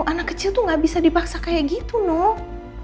anak kecil tuh nggak bisa dipaksa kayak gitu noh